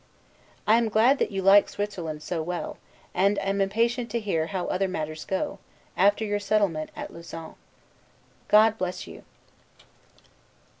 I am glad that you like Switzerland so well; and am impatient to hear how other matters go, after your settlement at Lausanne. God bless you!